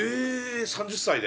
３０歳で？